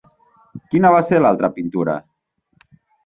Quina va ser l'altra pintura?